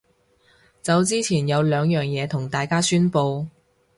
走之前有兩樣嘢同大家宣佈